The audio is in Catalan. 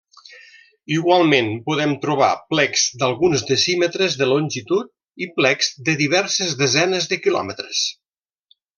Igualment, podem trobar plecs d'alguns decímetres de longitud i plecs de diverses desenes de quilòmetres.